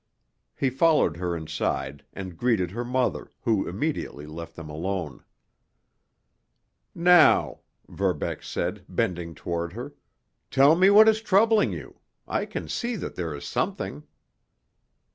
He followed her inside, and greeted her mother, who immediately left them alone. "Now," Verbeck said, bending toward her, "tell me what is troubling you. I can see that there is something."